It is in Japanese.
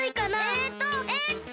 えっとえっと。